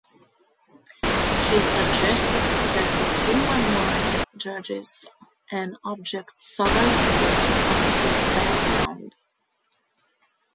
He suggested that the human mind judges an object's size based on its background.